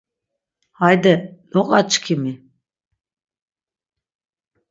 Hayde loqaçkimi.